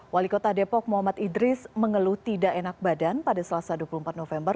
wali kota depok muhammad idris mengeluh tidak enak badan pada selasa dua puluh empat november